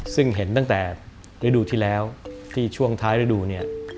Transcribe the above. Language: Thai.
ซึ่งเห็นตั้งแต่ฤดูที่แล้วที่ช่วงท้ายฤดูเนี่ย